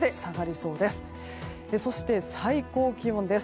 そして、最高気温です。